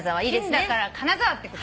「金」だから「金沢」ってこと。